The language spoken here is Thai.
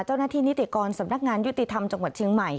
เจ้าหน้าที่นิติกรสำนักงานยุติธรรมจังหวัดชิงใหม่